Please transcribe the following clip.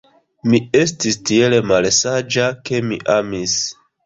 Mi estis tiel malsaĝa, ke mi amis.